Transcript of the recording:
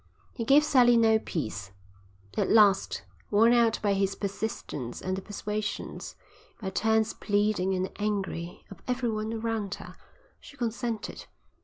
He gave Sally no peace. At last, worn out by his persistence and the persuasions, by turns pleading and angry, of everyone around her, she consented.